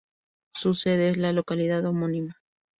Su sede es la localidad homónima.